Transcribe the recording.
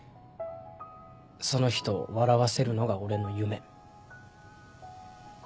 その人を笑わせるのが俺の夢。